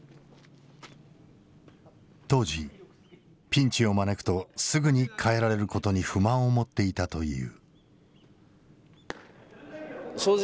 当時ピンチを招くとすぐに代えられることに不満を持っていたという。